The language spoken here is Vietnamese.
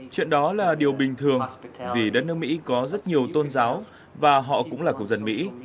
chuyện đó là điều bình thường vì đất nước mỹ có rất nhiều tôn giáo và họ cũng là cục dân mỹ